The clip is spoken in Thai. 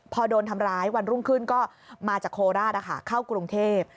พอโดนทำร้ายวันรุ่งขึ้นก็มาจากโคราชเข้ากรุงเทพ